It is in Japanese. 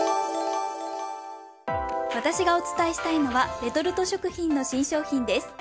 私がお伝えしたいのはレトルト食品の新商品です。